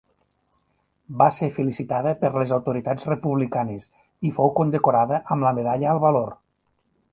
Va ser felicitada per les autoritats republicanes, i fou condecorada amb la medalla al valor.